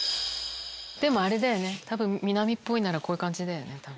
あれだよね南っぽいならこういう感じだよね。